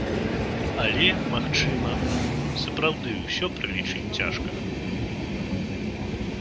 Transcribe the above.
Але, магчыма, сапраўды, усё пралічыць цяжка.